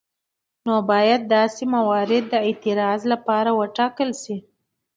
نو باید داسې موارد د اعتراض لپاره وټاکل شي.